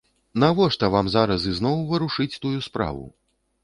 Навошта вам зараз ізноў варушыць тую справу?